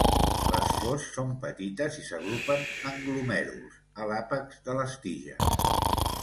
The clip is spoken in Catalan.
Les flors són petites i s'agrupen en glomèruls a l'àpex de les tiges.